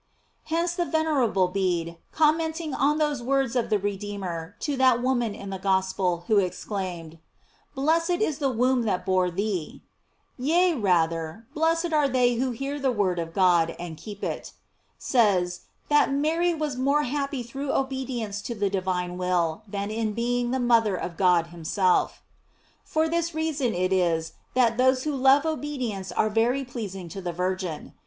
* Hence the venerable Bcde, comment ing on those words of the Redeemer to that woman in the Gospel who exclaimed: "Blessed is the womb that bore thee:" "Yea, rather, blessed are they who hear the Word of God and keep it," \ says, that Mary was more happy through obedience to the divine will, than in being the mother of God himself.J For this reason it is, that those who love obedience are very pleasing to the Virgin.